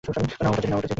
নাও ওটা, জেরি।